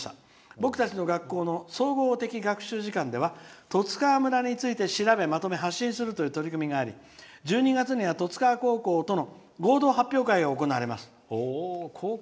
「僕たちの学校の総合的学習時間では十津川村について調べ発信するという取り組みがあり１２月には高校との合同発表会があります。